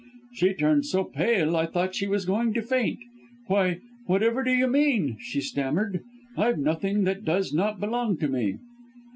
"She turned so pale I thought she was going to faint. 'Why, whatever do you mean,' she stammered, 'I've nothing that does not belong to me.'